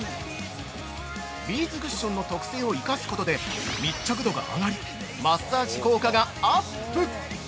ビーズクッションの特性を活かすことで密着度が上がり、マッサージ効果がアップ！